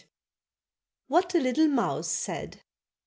WHAT A LITTLE MOUSE SAID.